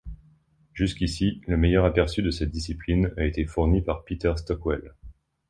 Jusqu'ici, le meilleur aperçu de cette discipline a été fourni par Peter Stockwell.